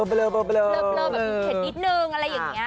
เบลอแบบมีเผ็ดนิดนึงอะไรแบบนี้